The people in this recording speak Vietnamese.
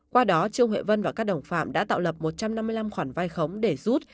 qua đó trương huệ vân và các đồng phạm đã tạo lập một trăm năm mươi năm khoản vay khống để rút